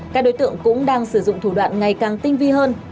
các đối tượng cũng đang sử dụng thủ đoạn ngày càng tinh vi hơn